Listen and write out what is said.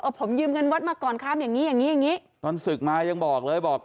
อ้ะผมยืมเงินวัดมาก่อนข้ามอย่างงี้อย่างงี้ตอนศึกมายังบอกเลยบอก